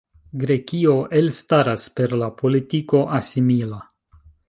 Grekio elstaras per la politiko asimila.